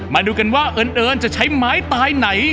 มาดูกันว่าเอิญจะใช้ไม้ตายไหน